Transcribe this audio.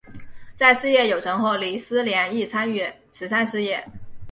在事业有成后李思廉亦参与慈善事业。